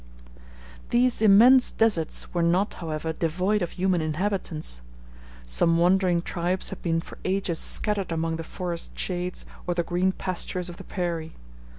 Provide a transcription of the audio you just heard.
These immense deserts were not, however, devoid of human inhabitants. Some wandering tribes had been for ages scattered among the forest shades or the green pastures of the prairie.